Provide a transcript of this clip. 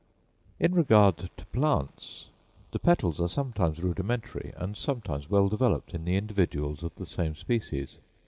In regard to plants, the petals are sometimes rudimentary, and sometimes well developed in the individuals of the same species.